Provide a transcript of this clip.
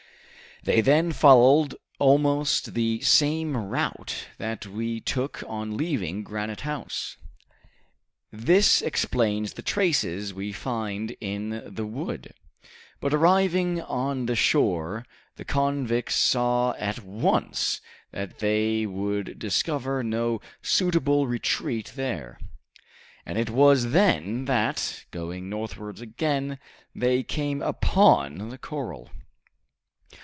They then followed almost the same route that we took on leaving Granite House. This explains the traces we found in the wood. But, arriving on the shore, the convicts saw at once that they would discover no suitable retreat there, and it was then that, going northwards again, they came upon the corral."